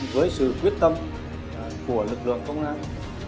với sự quyết tâm của lực lượng công an